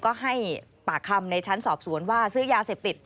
ก็ให้ปากคำในชั้นสอบสวนว่าซื้อยาเสพติด